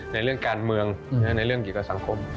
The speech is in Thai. ในเรื่องการเมืองในเรื่องเกี่ยวกับสังคม